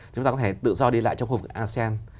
chúng ta có thể tự do đi lại trong khu vực asean